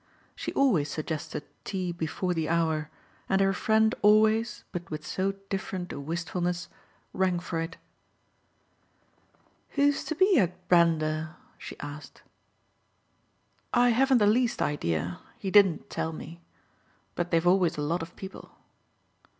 She always suggested tea before the hour, and her friend always, but with so different a wistfulness, rang for it. "Who's to be at Brander?" she asked. "I haven't the least idea he didn't tell me. But they've always a lot of people."